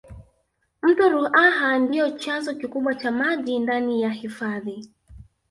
mto ruaha ndiyo chanzo kikubwa cha maji ndani ya hifadhi